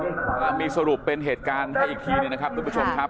พอนี่คลามมีสรุปเป็นเหตุการณ์หนึ่งคุณผู้ชม